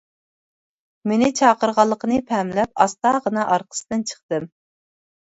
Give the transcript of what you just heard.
مېنى چاقىرغانلىقىنى پەملەپ، ئاستاغىنا ئارقىسىدىن چىقتىم.